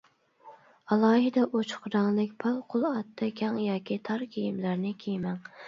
ئالاھىدە ئوچۇق رەڭلىك، پەۋقۇلئاددە كەڭ ياكى تار كىيىملەرنى كىيمەڭ.